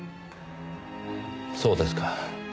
そうですか。